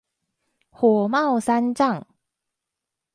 火冒三丈